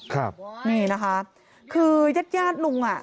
ครับนี่นะคะคือยาดลุงอ่ะ